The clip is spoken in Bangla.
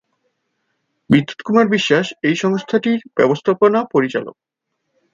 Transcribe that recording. বিদ্যুত কুমার বিশ্বাস এই সংস্থাটির ব্যবস্থাপনা পরিচালক।